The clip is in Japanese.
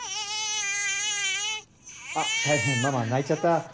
あっ大変ママ泣いちゃった。